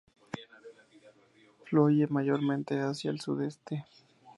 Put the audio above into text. Fluye mayormente hacia el sudeste.